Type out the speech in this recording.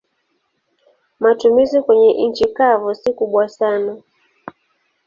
Matumizi kwenye nchi kavu si kubwa sana.